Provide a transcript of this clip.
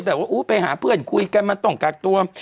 แต่ว่าไปหาเพื่อนคุยกันมันต้องกักตัว